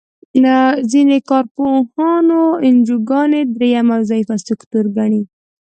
ځینې کار پوهان انجوګانې دریم او ضعیفه سکتور ګڼي.